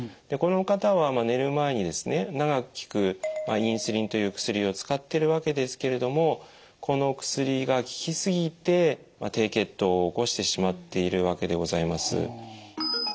でこの方は寝る前にですね長く効くインスリンという薬を使ってるわけですけれどもこの薬が効き過ぎて低血糖を起こしてしまっているわけでございます。